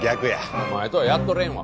お前とはやっとれんわ。